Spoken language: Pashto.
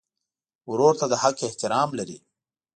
ورور ته د حق احترام لرې.